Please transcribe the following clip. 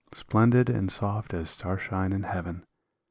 Splendid and soft as starshine in heaven.